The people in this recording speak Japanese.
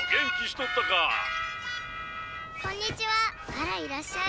「あらいらっしゃい」。